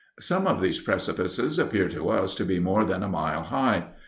Some of these precipices appeared to us to be more than a mile high.